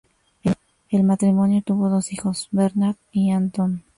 El matrimonio tuvo dos hijos Bernard y Anton.